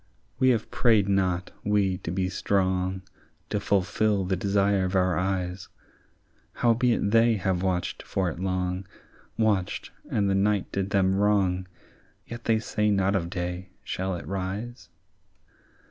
"We have prayed not, we, to be strong, To fulfil the desire of our eyes; —Howbeit they have watched for it long, Watched, and the night did them wrong, Yet they say not of day, shall it rise?